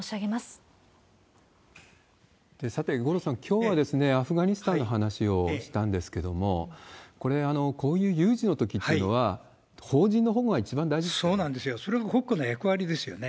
さて、五郎さん、きょうはアフガニスタンの話をしたんですけども、これ、こういう有事のときというのは、邦人の保護が一番大事ですよね。